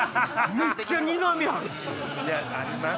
めっちゃ苦味あるし。